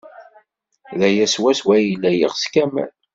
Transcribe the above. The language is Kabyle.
D aya swaswa ay yella yeɣs Kamal.